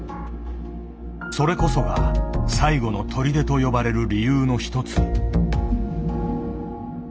それこそが「最後の砦」と呼ばれる理由の一つ。